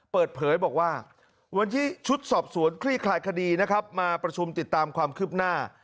เปิดเผยบอกว่าวันนี้ชุดสอบสวนคลี่คลายคดีนะครับมาประชุมติดตามความคืบหน้า